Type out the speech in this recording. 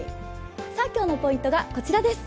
今日のポイントがこちらです。